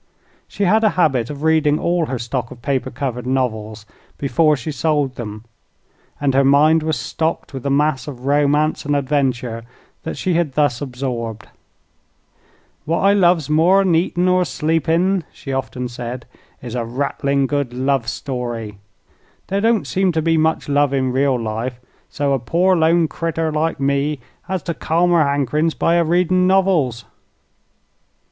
She had a habit of reading all her stock of paper covered novels before she sold them, and her mind was stocked with the mass of romance and adventure she had thus absorbed. "What I loves more'n eat'n' or sleep'n'," she often said, "is a rattlin' good love story. There don't seem to be much love in real life, so a poor lone crittur like me has to calm her hankerin's by a readin' novels."